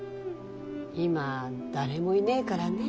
今誰もいねぇからねぇ。